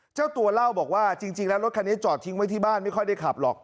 เจ้าตัวเล่าบอกว่าจริงแล้วรถคันนี้จอดทิ้งไว้ที่บ้านไม่ค่อยได้ขับหรอก